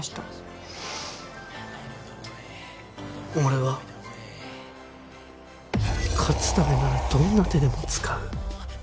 俺は勝つためならどんな手でも使う。